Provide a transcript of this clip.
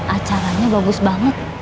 acaranya bagus banget